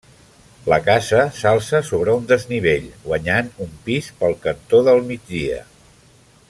La casa s'alça sobre un desnivell, guanyant un pis pel cantó del migdia.